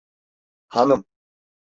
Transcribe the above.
Hanım!